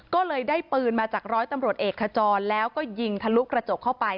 ก็เลยได้ปืนมาจากร้อยตำรวจเอกขจรแล้วก็ยิงทะลุกระจกเข้าไป